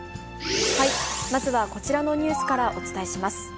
まずはこちらのニュースからお伝えします。